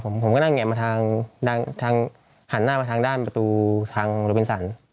ผมก็นั่งแงะมาทางหันหน้ามาทางด้านประตูทางโรเบนสัน